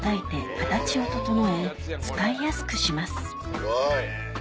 すごい。